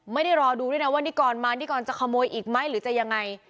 ไม่ได้รอดูด้วยนะว่านิกรมานิกรจะขโมยอีกไหมหรือจะยังไง